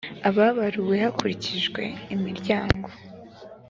ababaruwe hakurikijwe imiryango